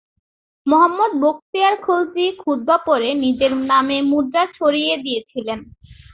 মুহাম্মদ বখতিয়ার খলজি খুতবা পড়ে নিজের নামে মুদ্রা ছড়িয়ে দিয়েছিলেন।